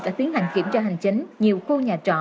đã tiến hành kiểm tra hành chính nhiều khu nhà trọ